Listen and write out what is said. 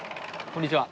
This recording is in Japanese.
こんにちは。